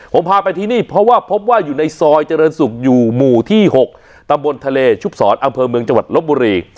ผมพาไปที่นี่เพราะว่าพบว่าอยู่ในซอยเจริญสุขอยู่หมู่ที่๖ตำบลทะเลชุบศรอำเภอเมืองจังหวัดลบบุรี